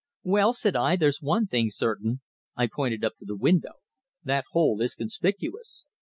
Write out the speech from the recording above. "Well," said I, "there's one thing certain." I pointed up to the window. "That hole is conspicuous."